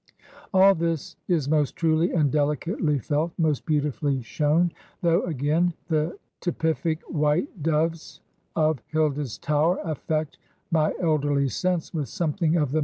All this is most truly and delicately felt, most beauti fully shown; though, again, the typific white doves of Hilda's tower affect my elderly sense with something of the